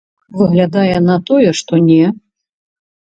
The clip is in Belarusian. Выглядае на тое, што не.